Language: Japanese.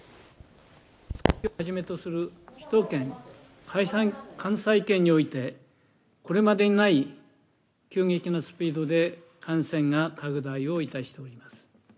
首都圏、関西圏において、これまでにない急激なスピードで感染が拡大をいたしております。